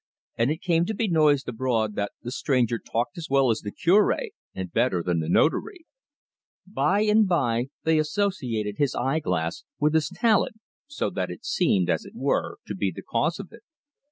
And it came to be noised abroad that the stranger talked as well as the Cure and better than the Notary. By and by they associated his eye glass with his talent, so that it seemed, as it were, to be the cause of it.